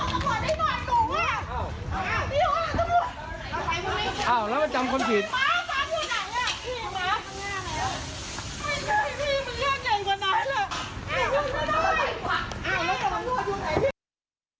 ไม่ใช่มันเลือกเด็กกว่านั้นเลย